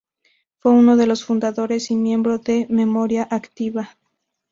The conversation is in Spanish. Fue uno de los fundadores y miembro de Memoria Activa.